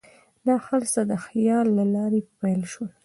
دا هر څه د خیال له لارې پیل شول.